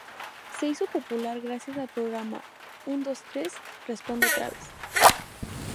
Se hizo popular gracias al programa Un, dos, tres... responda otra vez.